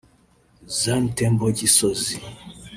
Zion Temple Gisozi